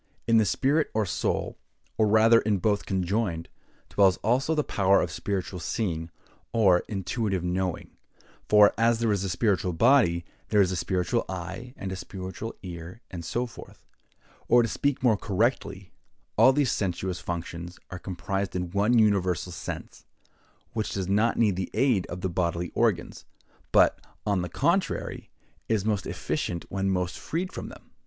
In the spirit or soul, or rather in both conjoined, dwells, also, the power of spiritual seeing, or intuitive knowing; for, as there is a spiritual body, there is a spiritual eye, and a spiritual ear, and so forth; or, to speak more correctly, all these sensuous functions are comprised in one universal sense, which does not need the aid of the bodily organs; but, on the contrary, is most efficient when most freed from them.